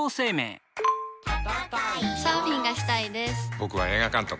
僕は映画監督。